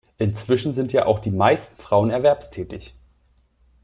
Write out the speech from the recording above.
Inzwischen sind ja auch die meisten Frauen erwerbstätig.